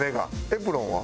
エプロンは？